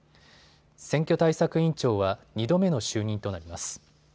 選挙対策委員長は２度目の就任となります。